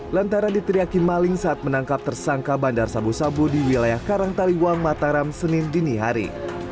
lantaran diteriaki maling saat menangkap tersangka bandar sabu sabu di wilayah karang taliwang mataram senin dinihari